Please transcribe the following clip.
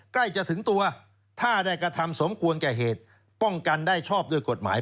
ใกล้จะถึงตัวถ้าได้กระทำสมควรแก่เหตุป้องกันได้ชอบด้วยกฎหมาย